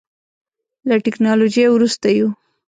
له ټکنالوژۍ وروسته یو.